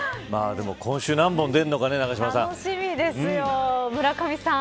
でも今週何本出るのかね、永島さん。